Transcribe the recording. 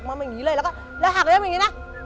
แบบอย่างงี้เลยแล้วหักก็ยังเปล่าอยู่อ่ะ